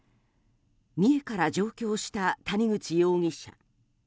三重から上京した谷口容疑者。